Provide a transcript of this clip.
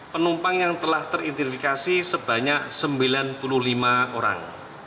penumpang yang telah teridentifikasi sebanyak sembilan puluh lima orang